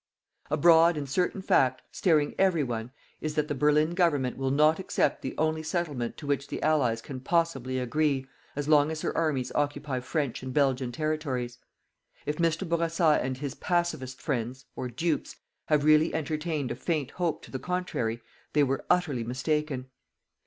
A broad and certain fact, staring every one, is that the Berlin Government will not accept the only settlement to which the Allies can possibly agree as long as her armies occupy French and Belgian territories. If Mr. Bourassa and his "pacifists" friends or dupes have really entertained a faint hope to the contrary, they were utterly mistaken.